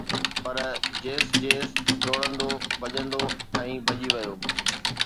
پر جيس جيس ڊوڙندو، ڀڄندو ۽ ڀڄي ويو